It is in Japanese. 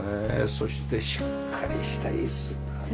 そしてしっかりした椅子だね。